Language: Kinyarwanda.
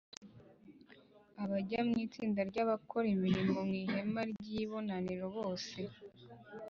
Abajya mu itsinda ry’abakora imirimo mu ihema ry’ibonaniro bose